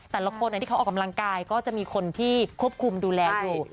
แต่ละคนที่เขาออกกำลังกายก็จะมีคนที่ควบคุมดูแลอยู่